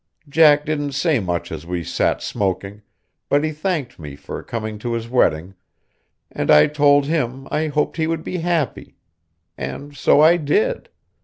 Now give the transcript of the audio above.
Jack didn't say much as we sat smoking, but he thanked me for coming to his wedding, and I told him I hoped he would be happy; and so I did.